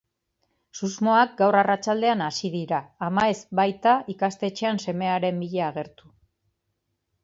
Susmoak gaur arratsaldean hasi dira, ama ez baita ikastetxean semearen bila agertu.